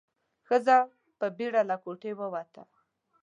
ښځه په بيړه له کوټې ووته.